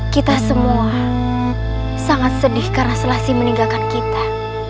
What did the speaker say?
kita semua sangat sedih karena selasi meninggalkan kita